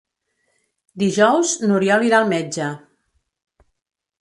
Dijous n'Oriol irà al metge.